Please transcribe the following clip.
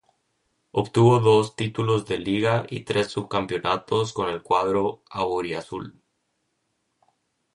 Obtuvo dos títulos de liga y tres subcampeonatos con el cuadro auriazul.